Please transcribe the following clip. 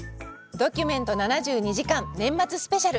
「ドキュメント７２時間年末スペシャル」。